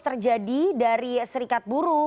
terjadi dari serikat buruh